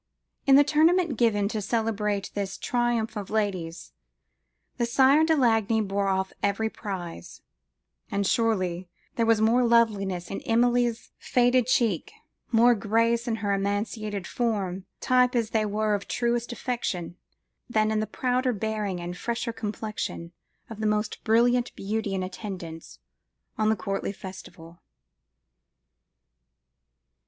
In the tournament given to celebrate this "Triumph of Ladies," the Sire de Lagny bore off every prize; and surely there was more loveliness in Emilie's faded cheek more grace in her emaciated form, type as they were of truest affection than in the prouder bearing and fresher complexion of the most brilliant beauty in attendance on the courtly festival.